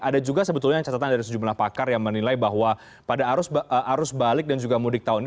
ada juga sebetulnya catatan dari sejumlah pakar yang menilai bahwa pada arus balik dan juga mudik tahun ini